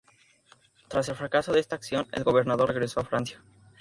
Tras el fracaso de esta acción, el gobernador regresó a Francia.